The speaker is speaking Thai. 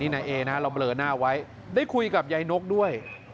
นายเอนะเราเบลอหน้าไว้ได้คุยกับยายนกด้วย